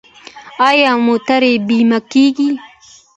آیا موټرې بیمه کیږي؟